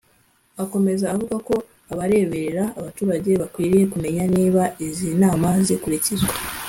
Akomeza avuga ko abareberera abaturage bakwiriye kumenya niba izi nama zikurikizwa